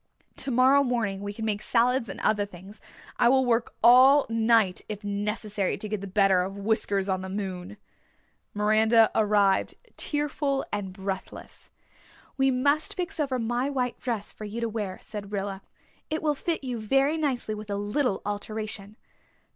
Tomorrow morning we can make salads and other things. I will work all night if necessary to get the better of Whiskers on the moon." Miranda arrived, tearful and breathless. "We must fix over my white dress for you to wear," said Rilla. "It will fit you very nicely with a little alteration."